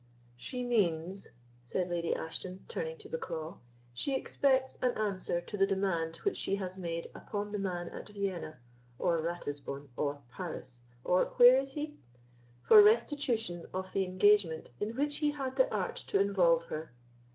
"She means," said Lady Ashton, turning to Bucklaw, "she expects an answer to the demand which she has made upon the man at Vienna, or Ratisbon, or Paris—or where is he?—for restitution of the engagement in which he had the art to involve her.